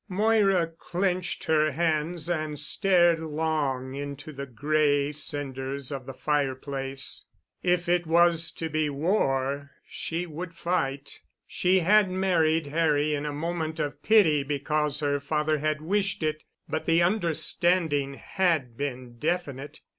Moira clenched her hands and stared long into the gray cinders of the fireplace. If it was to be war, she would fight. She had married Harry in a moment of pity because her father had wished it, but the understanding had been definite.